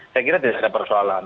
saya kira tidak ada persoalan